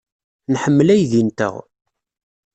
Nḥemmel aydi-nteɣ.